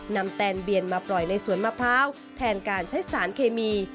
แตนเบียนมาปล่อยในสวนมะพร้าวแทนการใช้สารเคมี